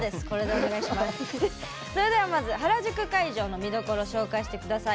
それではまず原宿会場の見どころ紹介して下さい。